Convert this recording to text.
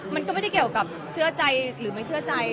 มันก็ไม่ได้เกี่ยวกับเชื่อใจหรือไม่เชื่อใจ